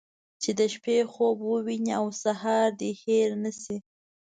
چې د شپې خوب ووينې او سهار دې هېر نه شي.